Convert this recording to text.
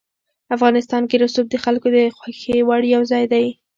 افغانستان کې رسوب د خلکو د خوښې وړ یو ځای دی.